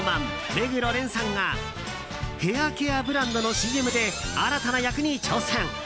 目黒蓮さんがヘアケアブランドのＣＭで新たな役に挑戦。